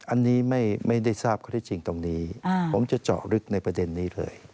อันนี้ไม่ได้ทราบข้อที่จริงตรงนี้ผมจะเจาะลึกในประเด็นนี้เลย